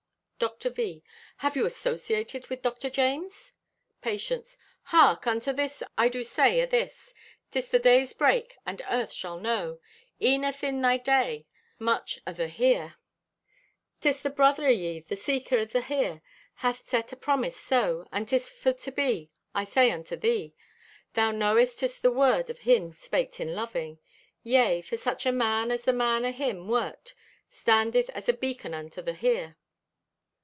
Dr. V.—"Have you associated with Dr. James?" Patience.—"Hark! Unto thee I do say athis; 'tis the day's break and Earth shall know, e'en athin thy day, much o' the Here. "This, the brother o' ye, the seeker o' the Here, hath set a promise so, and 'tis for to be, I say unto thee. Thou knowest 'tis the word o' him spaked in loving. Yea, for such a man as the man o' him wert, standeth as a beacon unto the Here."